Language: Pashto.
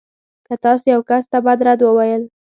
که تاسو يو کس ته بد رد وویل.